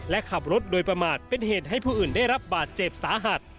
และขับรถโดยประมาทเป็นเหตุให้ผู้อื่นได้รับบาดเจ็บสาหัส